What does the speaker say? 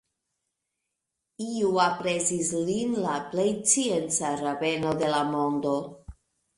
Iu aprezis lin la plej scienca rabeno de la mondo.